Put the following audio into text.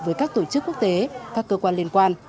với các tổ chức quốc tế các cơ quan liên quan